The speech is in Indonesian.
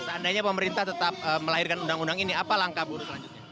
seandainya pemerintah tetap melahirkan undang undang ini apa langkah buruh selanjutnya